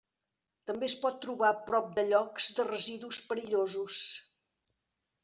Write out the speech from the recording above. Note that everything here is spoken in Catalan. També es pot trobar prop de llocs de residus perillosos.